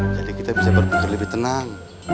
jadi kita bisa berpikir lebih tenang